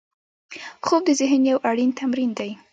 خوب د ذهن یو اړین تمرین دی